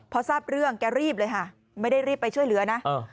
พอทราบเรื่องแกรีบเลยค่ะไม่ได้รีบไปช่วยเหลือนะ